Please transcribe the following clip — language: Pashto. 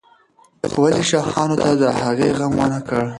ولې شاهانو د هغې غم ونه کړ؟